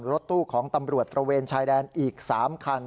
รถตู้ของตำรวจตระเวนชายแดนอีก๓คัน